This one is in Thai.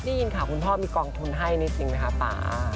ได้ยินคะคุณพ่อมีกองทุนให้นิดสิ่งไหมคะ